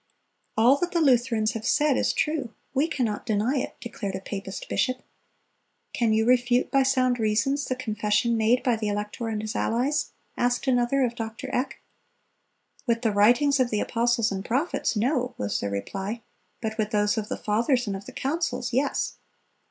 (305) "All that the Lutherans have said is true; we cannot deny it," declared a papist bishop. "Can you refute by sound reasons the Confession made by the elector and his allies?" asked another, of Doctor Eck. "With the writings of the apostles and prophets—no!" was the reply; "but with those of the Fathers and of the councils—yes!"